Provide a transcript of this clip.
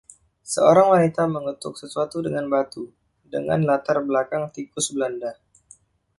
Seorang wanita mengetuk sesuatu dengan batu, dengan latar belakang tikus belanda.